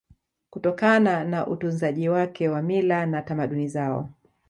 kutokana na utunzaji wake wa mila na tamaduni zao